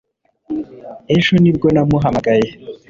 Ejo ni bwo namuhamagaye